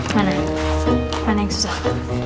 mana mana yang susah